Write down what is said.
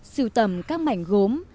sưu tầm các mảnh gốm